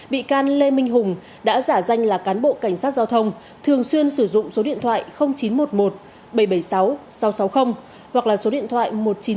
bị can lê minh hùng đã giả danh là cán bộ cảnh sát giao thông thường xuyên sử dụng số điện thoại chín trăm một mươi một bảy trăm bảy mươi sáu sáu trăm sáu mươi hoặc là số điện thoại một nghìn chín trăm một mươi bảy sáu một nghìn sáu trăm linh sáu